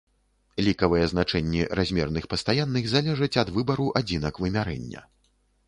Лікавыя значэнні размерных пастаянных залежаць ад выбару адзінак вымярэння.